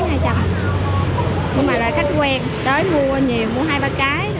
nhưng mà là khách quen tới mua nhiều mua hai ba cái